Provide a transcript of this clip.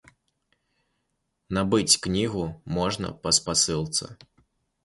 Набыць кнігу можна па спасылцы.